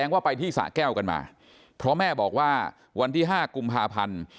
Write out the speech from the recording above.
ว่าไปที่สะแก้วกันมาเพราะแม่บอกว่าวันที่๕กุมภาพันธ์